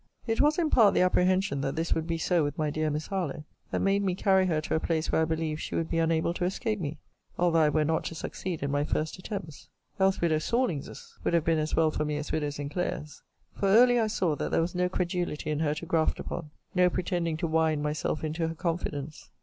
It was in part the apprehension that this would be so with my dear Miss Harlowe, that made me carry her to a place where I believed she would be unable to escape me, although I were not to succeed in my first attempts. Else widow Sorlings's would have been as well for me as widow Sinclair's. For early I saw that there was no credulity in her to graft upon: no pretending to whine myself into her confidence.